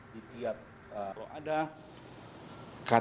di tiap ada ktp masuk datang dari luar